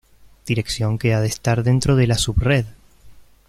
Dirección que ha de estar dentro de la subred.